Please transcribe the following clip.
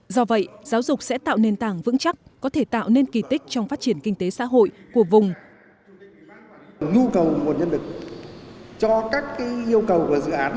do vậy giáo dục sẽ tạo nền tảng vững chắc có thể tạo nên kỳ tích trong phát triển kinh tế xã hội của vùng